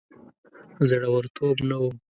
زړه ورتوب نه وو.